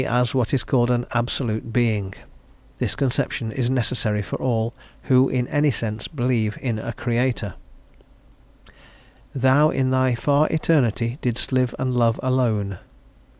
_, as what is called an Absolute Being: this conception is necessary for all who, in any sense, believe in a Creator. "Thou, in Thy far eternity, Didst live and love alone."